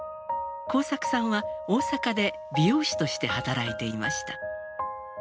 耕作さんは大阪で美容師として働いていました。